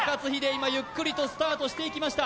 今ゆっくりとスタートしていきました